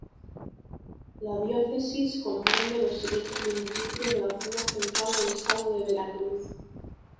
La diócesis comprende los siguientes municipios de la zona Central del Estado de Veracruz